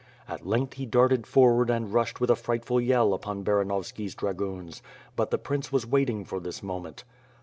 At length he darted forward and rushed with a frightful yell upon Baran ovski's drrgoons. But the prince was waiting for this mo ment.